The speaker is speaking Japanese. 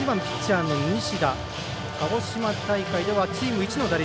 鹿児島大会ではチーム一の打率。